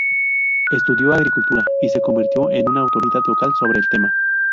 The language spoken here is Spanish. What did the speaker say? Estudió agricultura y se convirtió en una autoridad local sobre el tema.